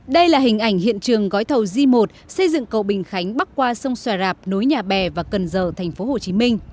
đây là hình ảnh hiện trường gói thầu g một xây dựng cầu bình khánh bắc qua sông xoài rạp nối nhà bè và cần giờ tp hcm